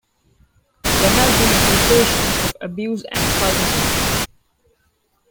There have been accusations of abuse and cultism.